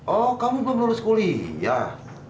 oh kamu belum lulus kuliah